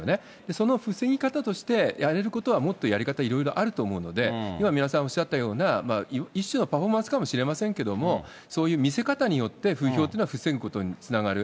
その防ぎ方として、やれることはもっとやり方、いろいろあると思うので、宮根さんおっしゃったような、一種のパフォーマンスかもしれませんけれども、そういう見せ方によって、風評というのは防ぐことにつながる。